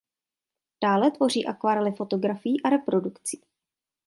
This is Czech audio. Dále tvoří akvarely fotografií a reprodukcí.